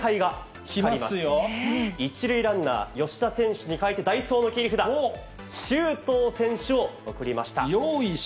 １塁ランナー、吉田選手に代えて、代走の切り札、周東選手を送りました。